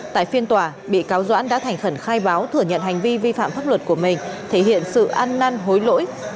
tại phiên tòa bị cáo doãn đã thành khẩn khai báo thừa nhận hành vi vi phạm pháp luật của mình thể hiện sự ăn năn hối lỗi